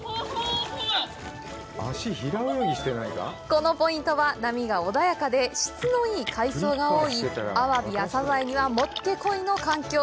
このポイントは波が穏やかで質のいい海藻が多い、アワビやサザエにはもってこいの環境。